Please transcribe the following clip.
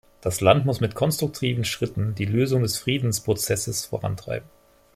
Das Land muss mit konstruktiven Schritten die Lösung des Friedensprozesses vorantreiben.